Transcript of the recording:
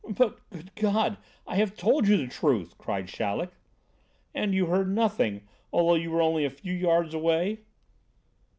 "But, good God! I have told you the truth!" cried Chaleck. "And you heard nothing, although you were only a few yards away?"